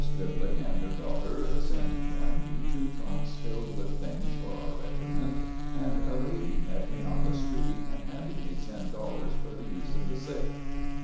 Stribling and her daughter sent by me two trunks filled with things for our regiment, and a lady met me on the street and handed me ten dollars for the use of the sick.